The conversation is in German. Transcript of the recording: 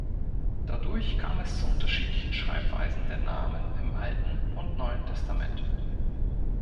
Dadurch kam es zu unterschiedlichen Schreibweisen der Namen im Alten und Neuen Testament.